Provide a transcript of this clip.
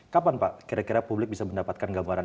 kapan pak kira kira publik bisa mendapatkan gambaran